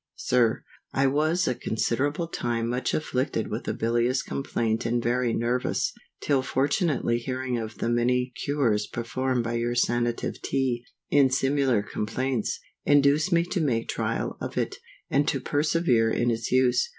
SIR, I was a considerable time much afflicted with a bilious complaint and very nervous, till fortunately hearing of the many Cures performed by your Sanative Tea, in similar complaints, induced me to make trial of it, and to persevere in its use.